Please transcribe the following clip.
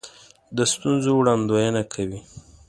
د ستونزو وړاندوینه کوي.